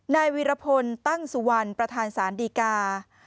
นายวีรพลตั้งสุวรรณประธานศาลดีกา